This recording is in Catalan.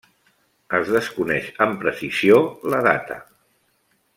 Es desconeix amb precisió la data.